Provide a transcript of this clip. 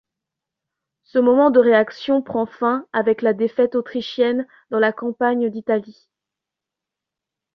Ce moment de réaction prend fin avec la défaite autrichienne dans la campagne d'Italie.